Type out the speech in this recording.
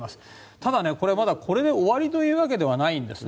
ただ、これで終わりというわけではないんですね。